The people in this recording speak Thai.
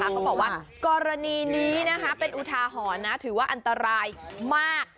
เขาบอกว่ากรณีนี้เป็นอุทาหรณ์ถือว่าอันตรายมาก